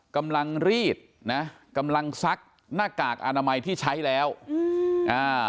กำลังรีดนะกำลังซักหน้ากากอนามัยที่ใช้แล้วอืมอ่า